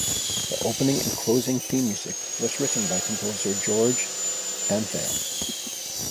The opening and closing theme music was written by composer George Antheil.